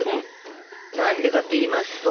何でかっていいますと。